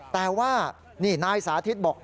แต่ว่านี่นายสาธิตบอก